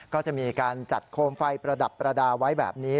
ก็จะมีการจัดโคมไฟประดับประดาษไว้แบบนี้